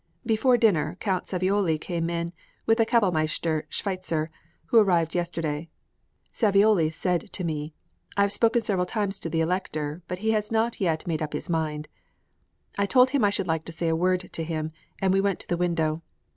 Before dinner, Count Savioli came in with the kapellmeister Schweitzer, who arrived yesterday. Savioli said co me, "I have spoken several times to the Elector, but he has not yet made up his mind." I told him I should like to say a word to him, and we went to the window.